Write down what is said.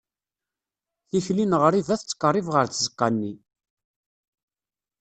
Tikli n ɣriba tettqerrib ɣer tzeqqa-nni.